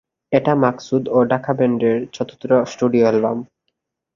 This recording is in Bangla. এটা মাকসুদ ও ঢাকা ব্যান্ডের চতুর্থ স্টুডিও অ্যালবাম।